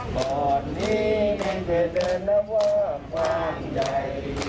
ก่อนนี้แค่เจ๋นแล้วว่าฟ้างใจ